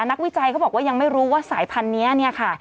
นักวิจัยเขาบอกว่ายังไม่รู้ว่าสายพันธุ์นี้เนี่ยค่ะ